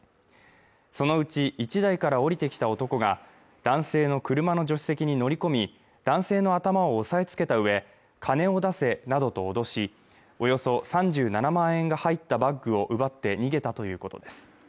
そのうち１台から降りてきた男が男性の車の助手席に乗り込み男性の頭を押さえつけたうえ金を出せなどと脅しおよそ３７万円が入ったバッグを奪って逃げたということです